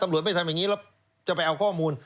ตำรวจไม่ทำอย่างนี้เราจะไปเอาข้อมูล